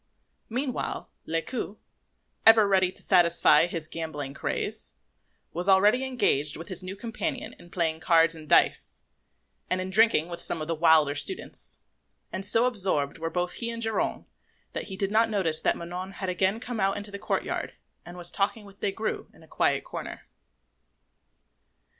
Meanwhile, Lescaut, ever ready to satisfy his gambling craze, was already engaged with his new companion in playing cards and dice, and in drinking with some of the wilder students; and so absorbed were both he and Geronte, that they did not notice that Manon had again come out into the courtyard and was talking with Des Grieux in a quiet corner.